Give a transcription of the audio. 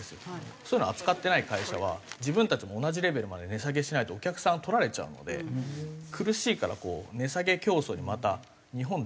そういうのを扱ってない会社は自分たちも同じレベルまで値下げしないとお客さんを取られちゃうので苦しいから値下げ競争にまた日本だけは。